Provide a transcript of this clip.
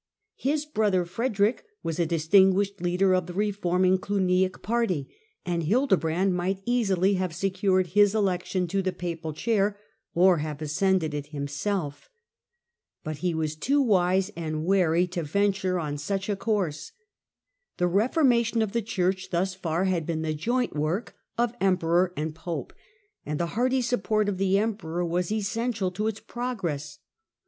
His brother Frederick was a distinguished leader of the reforming Glugniac party, and Hildebrand might easily have secured his election to the papal chair, or have ascended it himself. But he was too wise and wary to venture on such a course. The reformation of the Church thus far had been the joint work of em peror and pope ; and the hearty support of the emperor was essential to its progress.